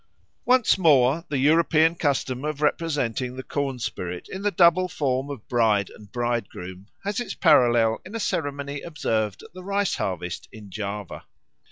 Once more, the European custom of representing the corn spirit in the double form of bride and bridegroom has its parallel in a ceremony observed at the rice harvest in Java.